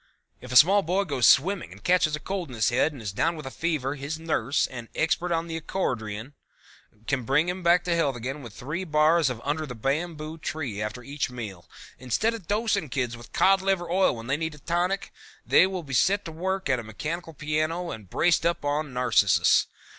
If a small boy goes swimming and catches a cold in his head and is down with a fever, his nurse, an expert on the accordeon, can bring him back to health again with three bars of Under the Bamboo Tree after each meal. Instead of dosing kids with cod liver oil when they need a tonic, they will be set to work at a mechanical piano and braced up on Narcissus.